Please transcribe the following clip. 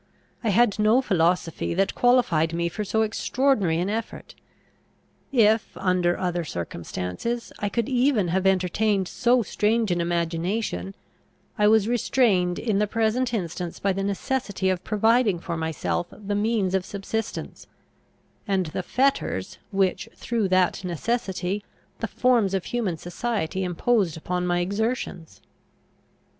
I had no philosophy that qualified me for so extraordinary an effort. If, under other circumstances, I could even have entertained so strange an imagination, I was restrained in the present instance by the necessity of providing for myself the means of subsistence, and the fetters which, through that necessity, the forms of human society imposed upon my exertions.